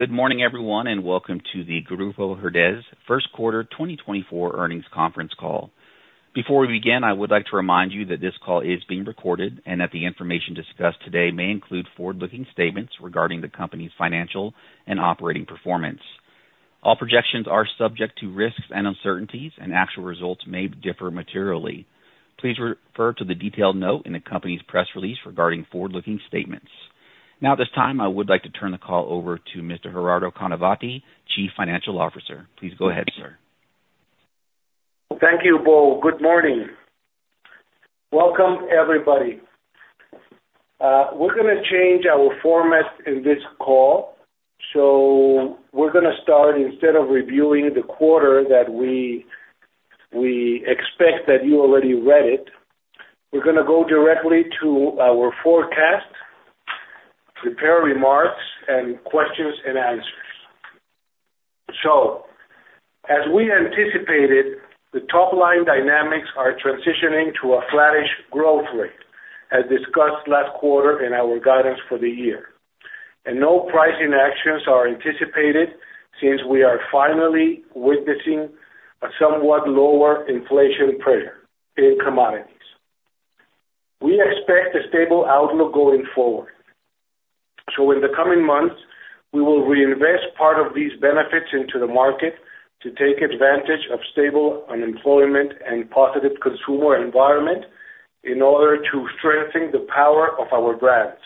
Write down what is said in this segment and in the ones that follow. Good morning, everyone, and welcome to the Grupo Herdez First Quarter 2024 Earnings conference call. Before we begin, I would like to remind you that this call is being recorded and that the information discussed today may include forward-looking statements regarding the company's financial and operating performance. All projections are subject to risks and uncertainties, and actual results may differ materially. Please refer to the detailed note in the company's press release regarding forward-looking statements. Now at this time, I would like to turn the call over to Mr. Gerardo Canavati, Chief Financial Officer. Please go ahead, sir. Thank you, Bo. Good morning. Welcome, everybody. We're gonna change our format in this call, so we're gonna start, instead of reviewing the quarter, that we expect that you already read it, we're gonna go directly to our forecast, prepare remarks, and questions and answers. So as we anticipated, the top-line dynamics are transitioning to a flattish growth rate, as discussed last quarter in our guidance for the year, and no pricing actions are anticipated since we are finally witnessing a somewhat lower inflation pressure in commodities. We expect a stable outlook going forward. So in the coming months, we will reinvest part of these benefits into the market to take advantage of stable unemployment and positive consumer environment in order to strengthen the power of our brands.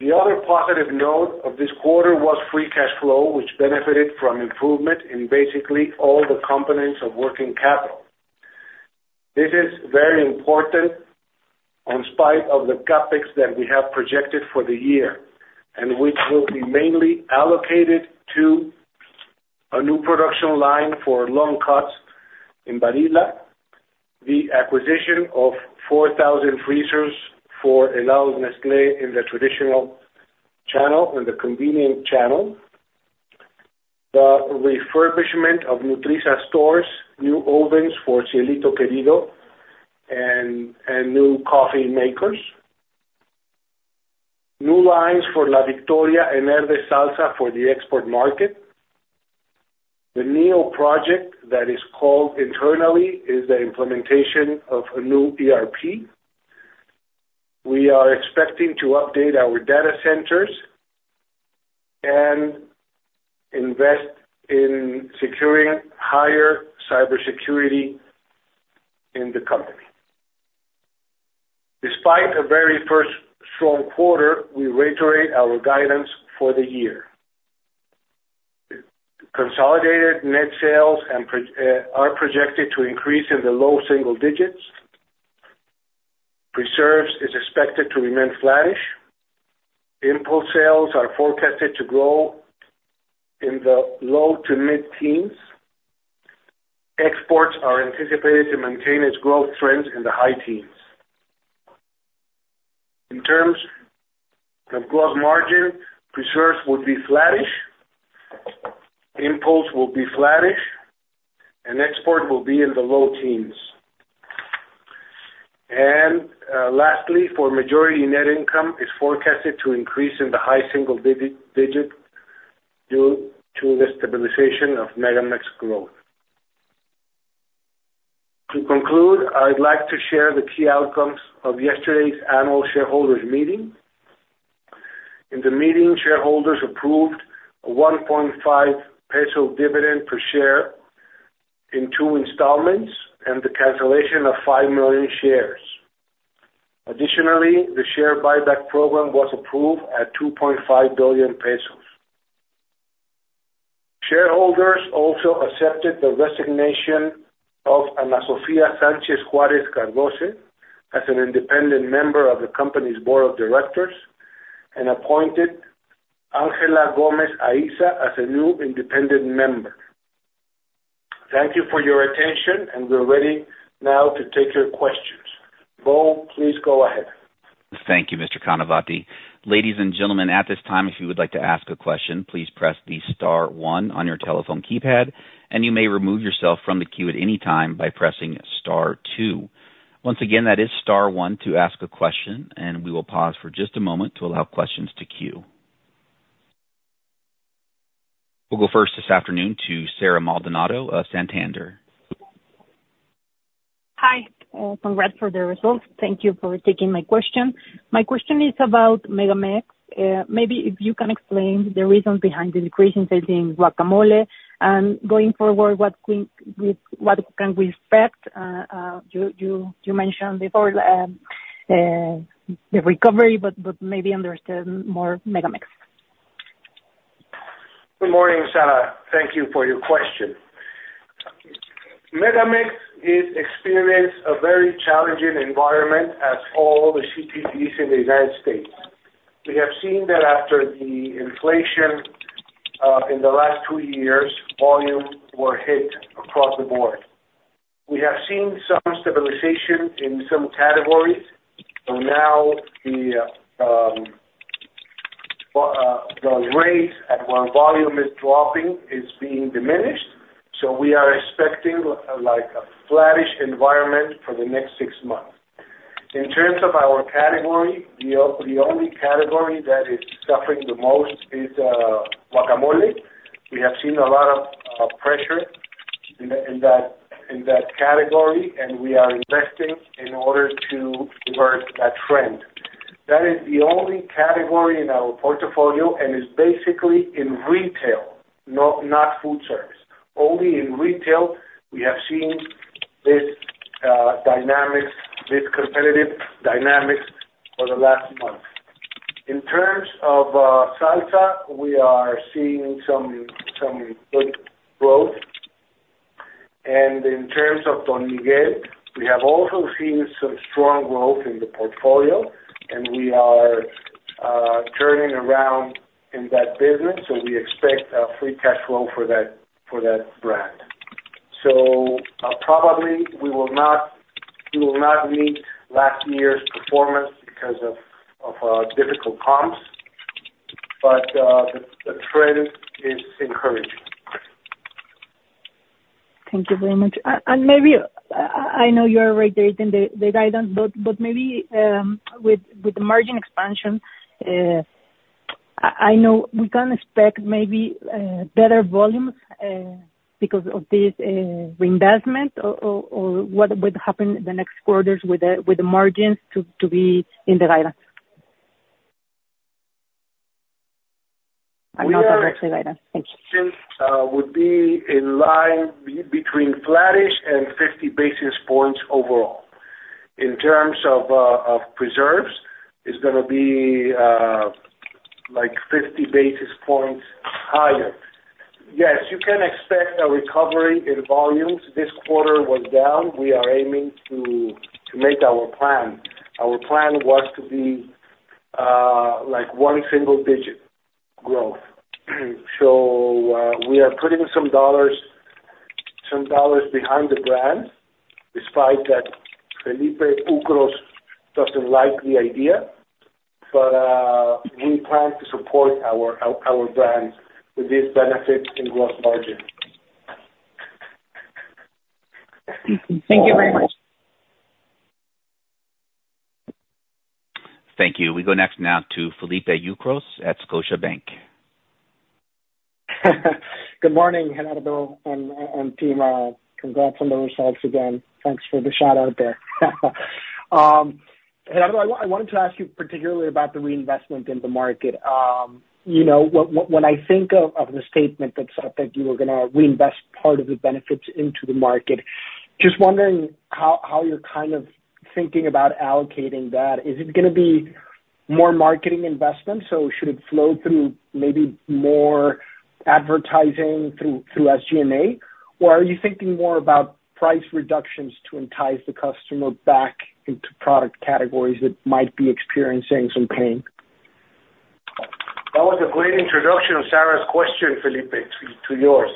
The other positive note of this quarter was free cash flow, which benefited from improvement in basically all the components of working capital. This is very important in spite of the CapEx that we have projected for the year, and which will be mainly allocated to a new production line for long cuts in Barilla, the acquisition of 4,000 freezers for Helados Nestlé in the traditional channel, in the convenience channel, the refurbishment of Nutrisa stores, new ovens for Cielito Querido and new coffee makers, new lines for La Victoria and Herdez Salsa for the export market. The NEO Project that is called internally is the implementation of a new ERP. We are expecting to update our data centers and invest in securing higher cybersecurity in the company. Despite a very first strong quarter, we reiterate our guidance for the year. Consolidated net sales are projected to increase in the low single digits. Preserves is expected to remain flattish. Impulse sales are forecasted to grow in the low to mid-teens. Exports are anticipated to maintain its growth trends in the high teens. In terms of gross margin, Preserves will be flattish, impulse will be flattish, and export will be in the low teens. And lastly, for majority net income, is forecasted to increase in the high single digit, due to the stabilization of MegaMex growth. To conclude, I'd like to share the key outcomes of yesterday's annual shareholders meeting. In the meeting, shareholders approved a 1.5 peso dividend per share in two installments and the cancellation of 5 million shares. Additionally, the share buyback program was approved at 2.5 billion pesos. Shareholders also accepted the resignation of Ana Sofía Sánchez Juárez Cardozo, as an independent member of the company's board of directors, and appointed Ángela Gómez Aiza as a new independent member. Thank you for your attention, and we're ready now to take your questions. Bo, please go ahead. Thank you, Mr. Canavati. Ladies and gentlemen, at this time, if you would like to ask a question, please press the star one on your telephone keypad, and you may remove yourself from the queue at any time by pressing star two. Once again, that is star one to ask a question, and we will pause for just a moment to allow questions to queue. We'll go first this afternoon to Sara Maldonado of Santander. Hi, congrats for the results. Thank you for taking my question. My question is about MegaMex. Maybe if you can explain the reason behind the decrease in sales in guacamole, and going forward, what can we expect? You mentioned before the recovery, but maybe understand more MegaMex. Good morning, Sara. Thank you for your question. MegaMex has experienced a very challenging environment as all the CPGs in the United States. We have seen that after the inflation in the last two years, volume were hit across the board. We have seen some stabilization in some categories, so now the rate at which volume is dropping is being diminished, so we are expecting, like, a flattish environment for the next six months. In terms of our category, the only category that is suffering the most is guacamole. We have seen a lot of pressure in that category, and we are investing in order to reverse that trend. That is the only category in our portfolio, and it's basically in retail, not food service. Only in retail, we have seen this dynamics, this competitive dynamics for the last month. In terms of salsa, we are seeing some, some good growth. And in terms of Don Miguel, we have also seen some strong growth in the portfolio, and we are turning around in that business, so we expect a free cash flow for that, for that brand. So, probably we will not, we will not meet last year's performance because of difficult comps, but the trend is encouraging. Thank you very much. And maybe, I know you are reiterating the guidance, but maybe with the margin expansion, I know we can expect maybe better volumes because of this reinvestment or what would happen in the next quarters with the margins to be in the guidance? We are- Thanks. Would be in line between flattish and 50 basis points overall. In terms of Preserves, it's gonna be like 50 basis points higher. Yes, you can expect a recovery in volumes. This quarter was down. We are aiming to make our plan. Our plan was to be like one single digit growth. So we are putting some dollars behind the brand, despite that Felipe Ucros doesn't like the idea, but we plan to support our brand with this benefit in gross margin. Thank you very much. Thank you. We go next now to Felipe Ucros at Scotiabank. Good morning, Gerardo and, and team. Congrats on the results again. Thanks for the shout out there. Gerardo, I wanted to ask you particularly about the reinvestment in the market. You know, when I think of the statement that you were gonna reinvest part of the benefits into the market, just wondering how you're kind of thinking about allocating that? Is it gonna be more marketing investment, so should it flow through maybe more advertising through SG&A? Or are you thinking more about price reductions to entice the customer back into product categories that might be experiencing some pain? That was a great introduction of Sara's question, Felipe, to yours.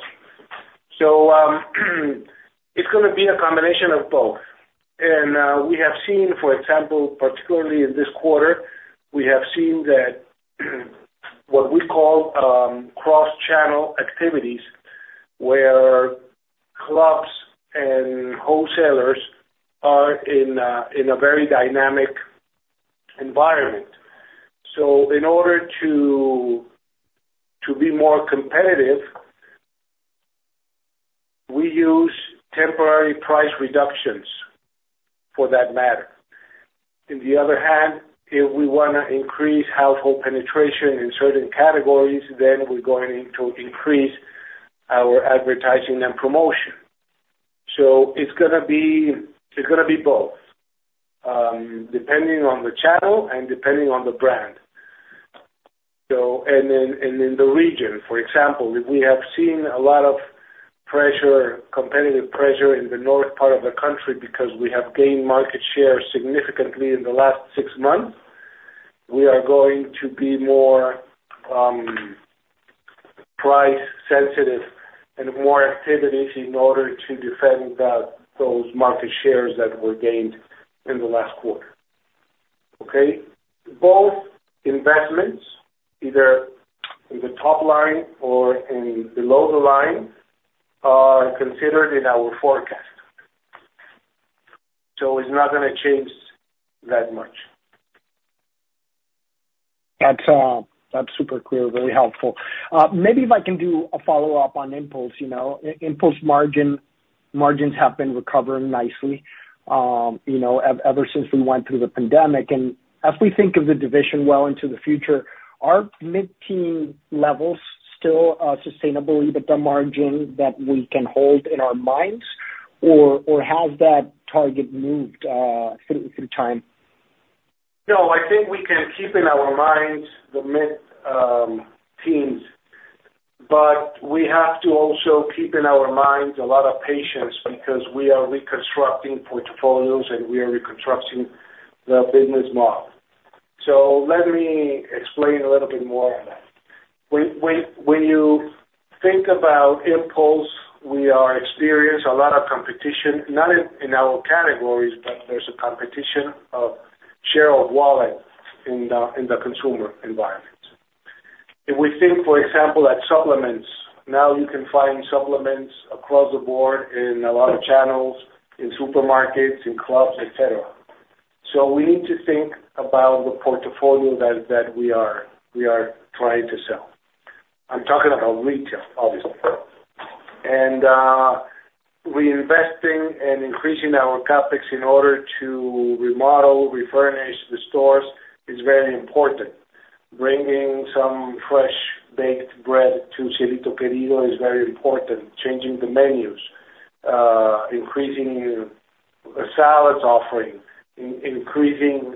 So, it's gonna be a combination of both. And, we have seen, for example, particularly in this quarter, we have seen that what we call, cross-channel activities, where clubs and wholesalers are in a very dynamic environment. So in order to be more competitive, we use temporary price reductions, for that matter. On the other hand, if we wanna increase household penetration in certain categories, then we're going to increase our advertising and promotion. So it's gonna be, it's gonna be both, depending on the channel and depending on the brand. So... And then, in the region, for example, we have seen a lot of pressure, competitive pressure in the north part of the country because we have gained market share significantly in the last six months. We are going to be more price sensitive and more activities in order to defend those market shares that were gained in the last quarter. Okay? Both investments, either in the top line or in below the line, are considered in our forecast. So it's not gonna change that much. That's, that's super clear, very helpful. Maybe if I can do a follow-up on impulse, you know, impulse margin, margins have been recovering nicely, you know, ever since we went through the pandemic. And as we think of the division well into the future, are mid-teen levels still a sustainable EBITDA margin that we can hold in our minds, or has that target moved through time? No, I think we can keep in our minds the mid-teens, but we have to also keep in our minds a lot of patience because we are reconstructing portfolios and we are reconstructing the business model. So let me explain a little bit more on that. When you think about impulse, we are experiencing a lot of competition, not in our categories, but there's a competition of share of wallet in the consumer environment. If we think, for example, at supplements, now you can find supplements across the board in a lot of channels, in supermarkets, in clubs, et cetera. So we need to think about the portfolio that we are trying to sell. I'm talking about retail, obviously. And we are investing and increasing our CapEx in order to remodel, refurnish the stores is very important. Bringing some fresh baked bread to Cielito Querido Café is very important. Changing the menus, increasing salads offering, increasing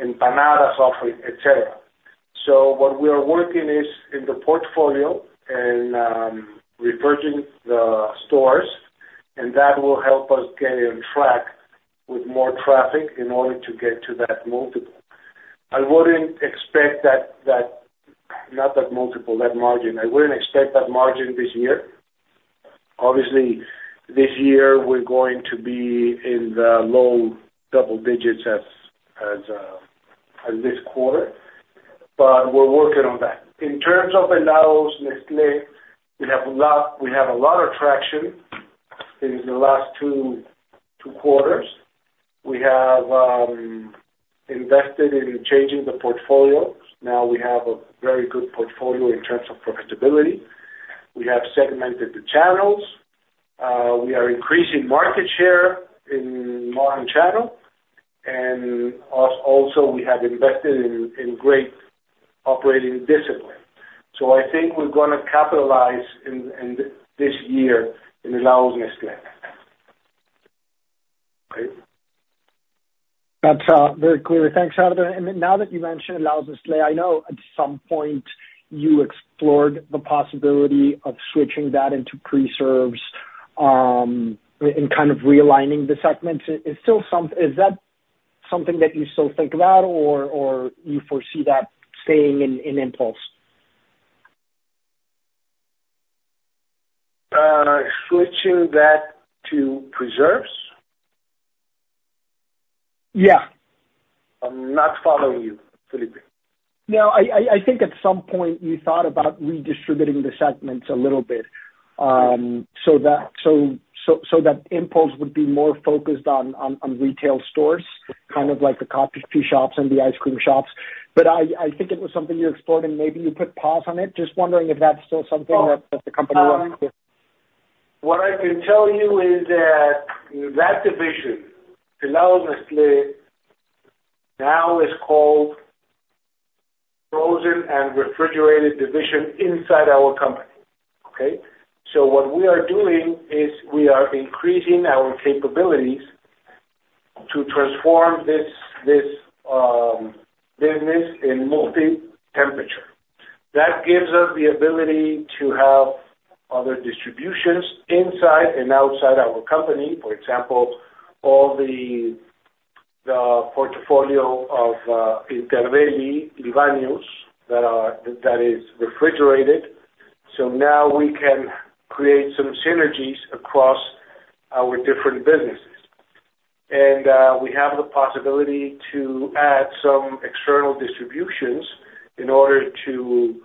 empanadas offering, et cetera. So what we are working is in the portfolio and reverting the stores, and that will help us get on track with more traffic in order to get to that multiple. I wouldn't expect that, not that multiple, that margin. I wouldn't expect that margin this year. Obviously, this year we're going to be in the low double digits as this quarter, but we're working on that. In terms of Helados Nestlé, we have a lot of traction in the last two quarters. We have invested in changing the portfolio. Now we have a very good portfolio in terms of profitability. We have segmented the channels, we are increasing market share in modern channel, and also we have invested in great operating discipline. So I think we're gonna capitalize in this year in Helados Nestlé. Okay? That's very clear. Thanks, Alvaro. And then now that you mentioned Helados Nestlé, I know at some point you explored the possibility of switching that into Preserves, and kind of realigning the segment. Is that something that you still think about or you foresee that staying in impulse? Switching that to Preserves? Yeah. I'm not following you, Felipe. No, I think at some point you thought about redistributing the segments a little bit, so that impulse would be more focused on retail stores, kind of like the coffee shops and the ice cream shops. But I think it was something you explored and maybe you put pause on it. Just wondering if that's still something that the company wants to- What I can tell you is that that division, Helados Nestlé, now is called Frozen and Refrigerated Division inside our company, okay? So what we are doing is we are increasing our capabilities to transform this business in multi temperature. That gives us the ability to have other distributions inside and outside our company. For example, all the portfolio of Interdeli, Libanius, that are, that is refrigerated. So now we can create some synergies across our different businesses. And we have the possibility to add some external distributions in order to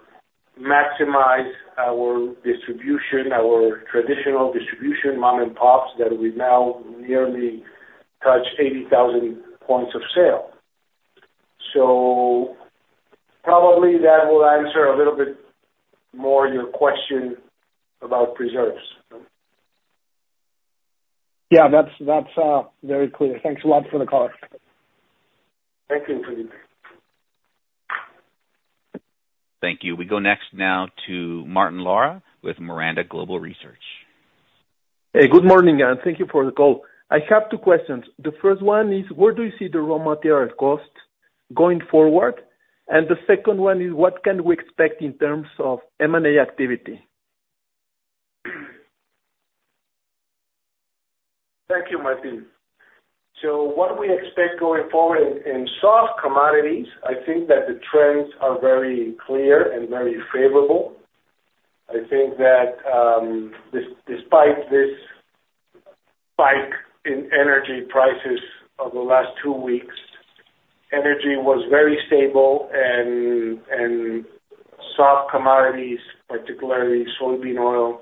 maximize our distribution, our traditional distribution, mom and pops, that we now nearly touch 80,000 points of sale. So probably that will answer a little bit more your question about Preserves. Yeah, that's, that's very clear. Thanks a lot for the color. Thank you, Felipe. Thank you. We go next now to Martin Lara with Miranda Global Research. Hey, good morning, and thank you for the call. I have two questions. The first one is: where do you see the raw material cost going forward? And the second one is: what can we expect in terms of M&A activity? Thank you, Martin. So what we expect going forward in soft commodities, I think that the trends are very clear and very favorable. I think that despite this spike in energy prices over the last two weeks, energy was very stable and soft commodities, particularly soybean oil,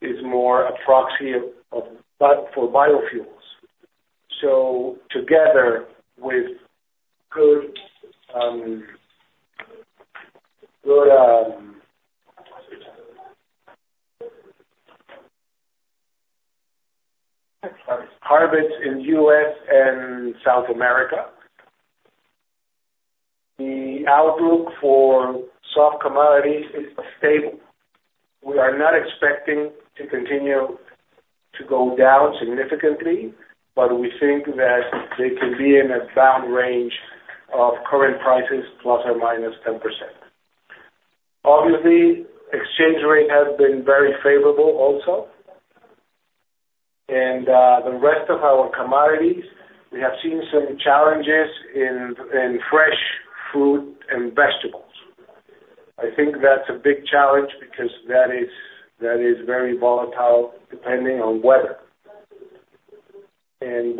is more a proxy of for biofuels. So together with good harvests in U.S. and South America, the outlook for soft commodities is stable. We are not expecting to continue to go down significantly, but we think that they can be in a bound range of current prices, ±10%. Obviously, exchange rate has been very favorable also. And the rest of our commodities, we have seen some challenges in fresh fruit and vegetables. I think that's a big challenge because that is very volatile, depending on weather. And,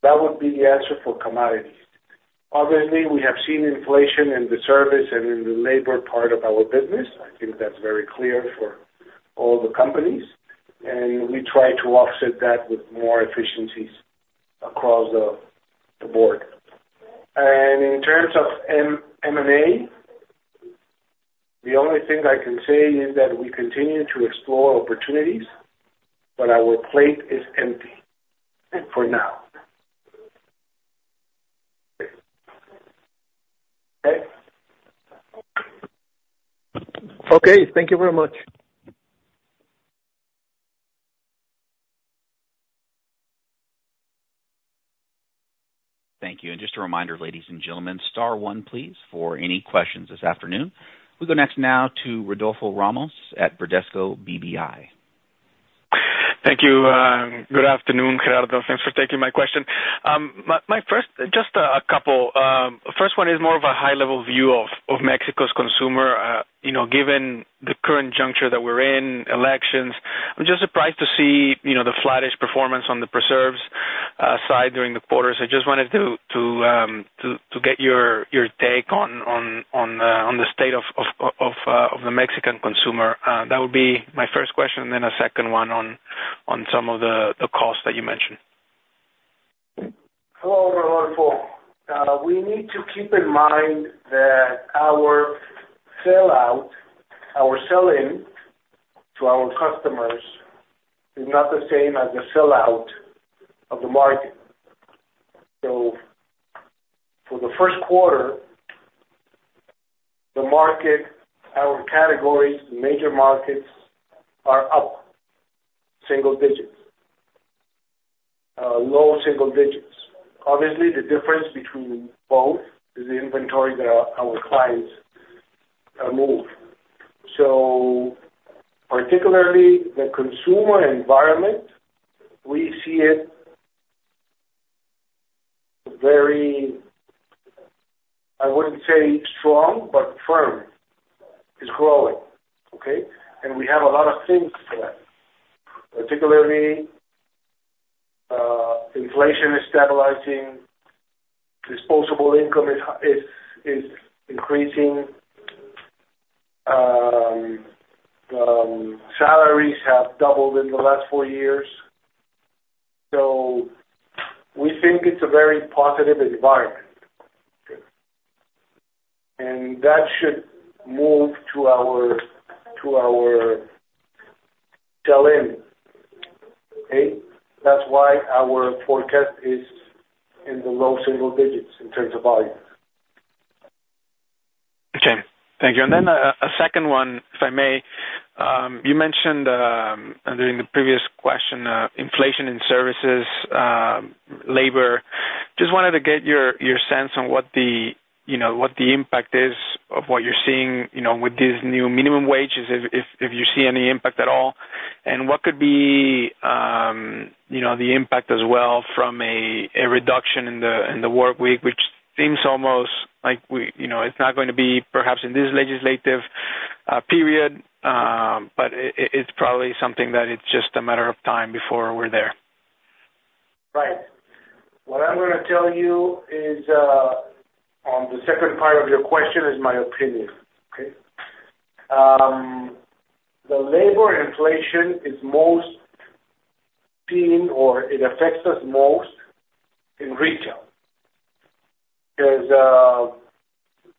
that would be the answer for commodities. Obviously, we have seen inflation in the service and in the labor part of our business. I think that's very clear for all the companies, and we try to offset that with more efficiencies across the board. And in terms of M&A, the only thing I can say is that we continue to explore opportunities, but our plate is empty for now. Okay? Okay, thank you very much. Thank you. Just a reminder, ladies and gentlemen, star one, please, for any questions this afternoon. We'll go next now to Rodolfo Ramos at Bradesco BBI. Thank you. Good afternoon, Gerardo. Thanks for taking my question. My first one is more of a high-level view of Mexico's consumer. You know, given the current juncture that we're in, elections, I'm just surprised to see, you know, the flattish performance on the Preserves side during the quarter. So I just wanted to get your take on the state of the Mexican consumer. That would be my first question, and then a second one on some of the costs that you mentioned. Hello, Rodolfo. We need to keep in mind that our sell out, our sell-in to our customers, is not the same as the sell out of the market. So for the first quarter, the market, our categories, the major markets are up single digits, low single digits. Obviously, the difference between both is the inventory that our clients move. So particularly the consumer environment, we see it very... I wouldn't say strong, but firm. It's growing, okay? And we have a lot of things for that. Particularly, inflation is stabilizing, disposable income is high, increasing, salaries have doubled in the last four years. So we think it's a very positive environment. And that should move to our sell-in, okay? That's why our forecast is in the low single digits in terms of volume. Okay, thank you. And then a second one, if I may. You mentioned during the previous question inflation in services, labor, just wanted to get your sense on what the, you know, what the impact is of what you're seeing, you know, with these new minimum wages, if you see any impact at all. And what could be, you know, the impact as well from a reduction in the work week, which seems almost like we, you know, it's not going to be perhaps in this legislative period, but it's probably something that it's just a matter of time before we're there. Right. What I'm gonna tell you is, on the second part of your question, is my opinion, okay? The labor inflation is most seen, or it affects us most in retail, because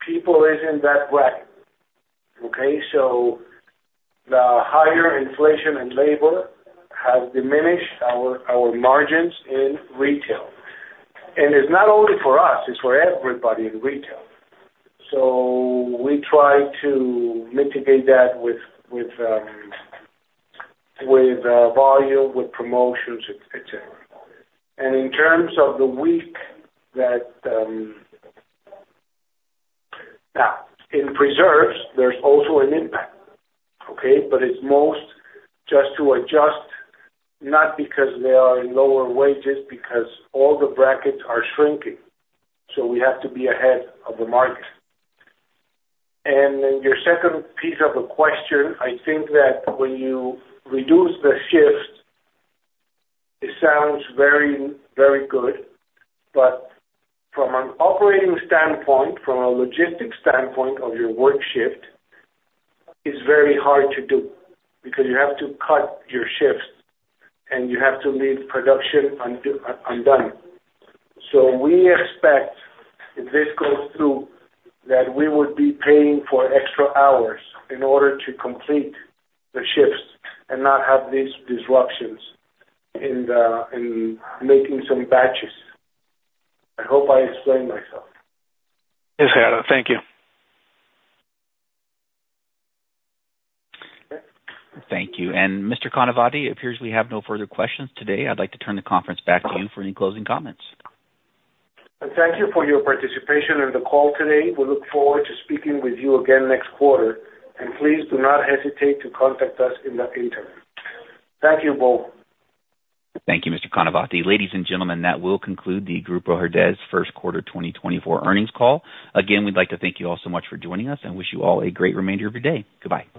people isn't that bright, okay? So the higher inflation in labor has diminished our, our margins in retail. And it's not only for us, it's for everybody in retail. So we try to mitigate that with, with, volume, with promotions, et cetera. And in terms of the weakness in Preserves, there's also an impact, okay? But it's most just to adjust, not because they are in lower wages, because all the brackets are shrinking, so we have to be ahead of the market. And then your second piece of the question, I think that when you reduce the shift, it sounds very, very good. But from an operating standpoint, from a logistics standpoint of your work shift, it's very hard to do, because you have to cut your shifts, and you have to leave production undone. So we expect, if this goes through, that we would be paying for extra hours in order to complete the shifts and not have these disruptions in making some batches. I hope I explained myself. Yes, Gerardo, thank you. Okay. Thank you. And Mr. Canavati, it appears we have no further questions today. I'd like to turn the conference back to you for any closing comments. Thank you for your participation in the call today. We look forward to speaking with you again next quarter, and please do not hesitate to contact us in the interim. Thank you, all. Thank you, Mr. Canavati. Ladies and gentlemen, that will conclude the Grupo Herdez first quarter 2024 earnings call. Again, we'd like to thank you all so much for joining us and wish you all a great remainder of your day. Goodbye.